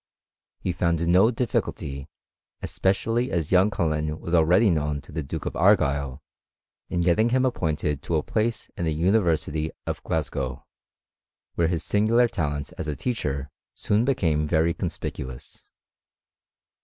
He found no difficulty, especially as young OuUen was already known to the Duke of Argyle, in getting him appointed to a place in the University of Glasgow, where his singular talents as a teacher soon became very conspicuous.